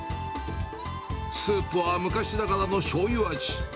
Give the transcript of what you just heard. スープは昔ながらのしょうゆ味。